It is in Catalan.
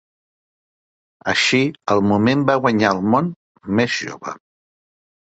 Així, el moment va guanyar al món més jove.